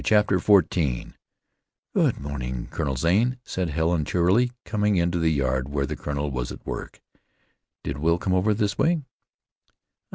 CHAPTER XIV "Good morning, Colonel Zane," said Helen cheerily, coming into the yard where the colonel was at work. "Did Will come over this way?"